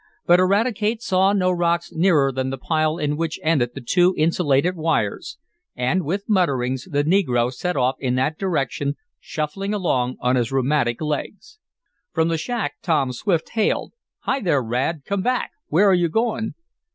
But Eradicate saw no rocks nearer than the pile in which ended the two insulated wires, and, with mutterings, the negro set off in that direction, shuffling along on his rheumatic legs. From the shack Tom Swift hailed: "Hi there, Rad! Come back! Where are you going?"